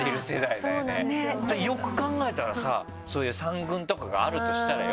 よく考えたらさそういう３軍とかがあるとしたらよ